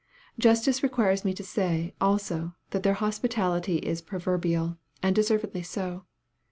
Justice requires me to say, also, that their hospitality is proverbial, and deservedly so.